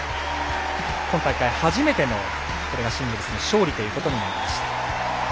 今大会、初めてのシングルス勝利ということになりました。